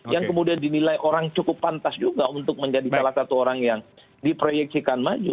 yang kemudian dinilai orang cukup pantas juga untuk menjadi salah satu orang yang diproyeksikan maju